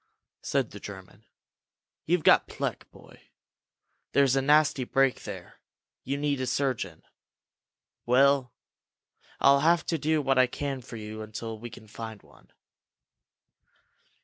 said the German. "You've got pluck, boy! There's a nasty break there. You need a surgeon! Well, I'll have to do what I can for you until we can find one.